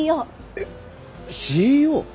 えっＣＥＯ！？